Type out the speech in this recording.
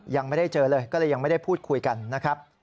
ยังไม่ได้เจอเลยก็เลยยังไม่ได้พูดคุยกันนะครับ